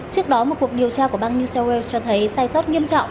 trước đó một cuộc điều tra của bang new south wales cho thấy sai sót nghiêm trọng